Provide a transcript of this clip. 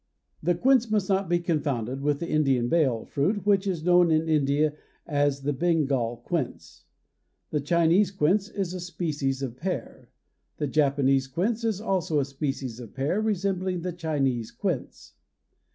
The quince must not be confounded with the Indian "bael" fruit which is known in India as the Bengal quince. The Chinese quince is a species of pear. The Japanese quince is also a species of pear resembling the Chinese quince.